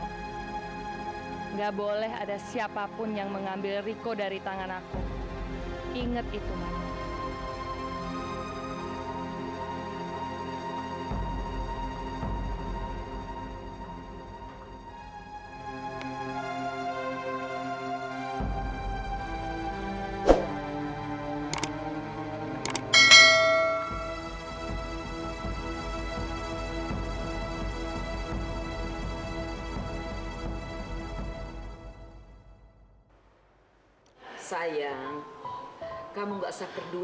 tidak boleh ada siapapun yang mengambil riko dari tangan aku